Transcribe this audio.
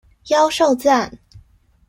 妖受讚